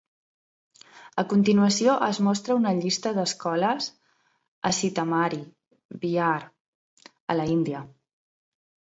A continuació es mostra una llista d'escoles a Sitamarhi, Bihar, a la Índia.